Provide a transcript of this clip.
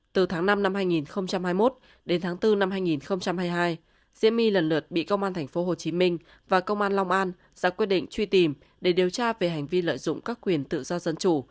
từ tháng năm năm hai nghìn hai mươi một đến tháng bốn năm hai nghìn hai mươi hai diễm my lần lượt bị công an tp hcm và công an long an ra quyết định truy tìm để điều tra về hành vi lợi dụng các quyền tự do dân chủ